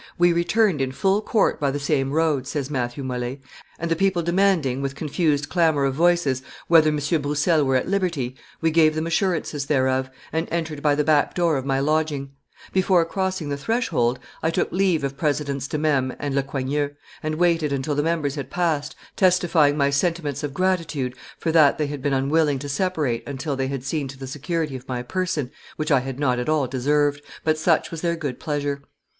"We returned in full court by the same road," says Matthew Mole, "and the people demanding, with confused clamor of voices, whether M. Broussel were at liberty, we gave them assurances thereof, and entered by the back door of my lodging; before crossing the threshold, I took leave of Presidents De Mesmes and Le Coigneux, and waited until the members had passed, testifying my sentiments of gratitude for that they had been unwilling to separate until they had seen to the security of my person, which I had not at all deserved, but such was their good pleasure.